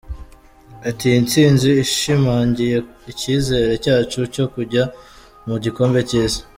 Ati “Iyi ntsinzi ishimangiye icyizere cyacu cyo kujya mu gikombe cy’Isi.